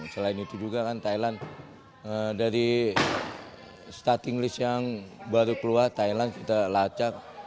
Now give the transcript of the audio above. selain itu juga kan thailand dari starting list yang baru keluar thailand kita lacak